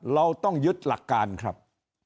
เราต้องยึดหลักการครับ